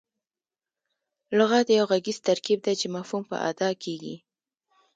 لغت یو ږغیز ترکیب دئ، چي مفهوم په اداء کیږي.